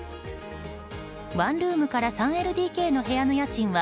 ワンルームから３ＬＤＫの部屋の家賃は